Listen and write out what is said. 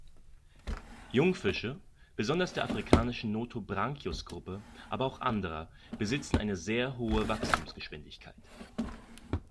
Jungfische, besonders der afrikanischen Nothobranchius-Gruppe, aber auch anderer, besitzen eine sehr hohe Wachstumsgeschwindigkeit.